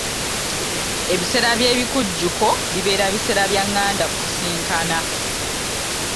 Ebiseera by'ebikujjuko bibeera biseera bya nganda ku sisinkana.